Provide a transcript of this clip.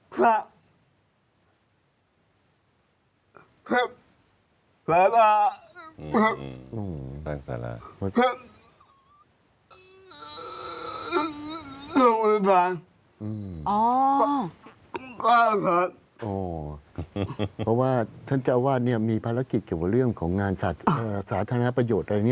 เพราะว่าท่านเจ้าวาดเนี่ยมีภารกิจเกี่ยวกับเรื่องของงานสาธารณประโยชน์อะไร